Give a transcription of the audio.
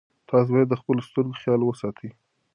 تاسي باید د خپلو سترګو خیال وساتئ.